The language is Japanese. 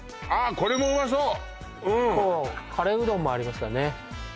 これもうまそううんカレーうどんもありますからね